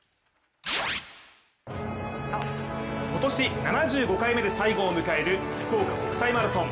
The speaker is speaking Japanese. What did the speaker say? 今年７５回目で最後を迎える福岡国際マラソン。